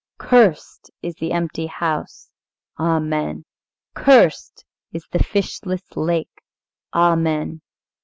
"Cursed is the empty house!" "Amen." "Cursed is the fishless lake!" "Amen."